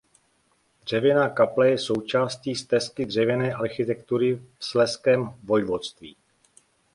Dřevěná kaple je součástí Stezky dřevěné architektury v Slezském vojvodství.